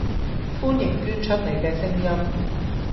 歡迎捐出您既聲音